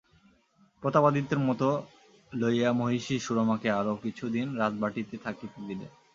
প্রতাপাদিত্যের মত লইয়া মহিষী সুরমাকে আরাে কিছু দিন রাজবাটিতে থাকিতে দিলেন।